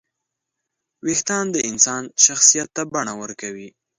وېښتيان د انسان شخصیت ته بڼه ورکوي.